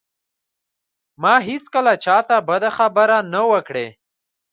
ما هېڅکله چاته بده خبره نه وه کړې